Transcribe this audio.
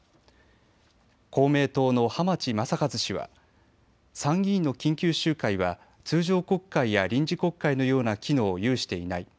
公明党の濱地雅一氏は参議院の緊急集会は通常国会や臨時国会のような機能を有していない。